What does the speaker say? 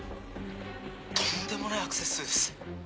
とんでもないアクセス数です。